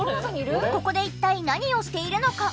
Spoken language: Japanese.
ここで一体何をしているのか？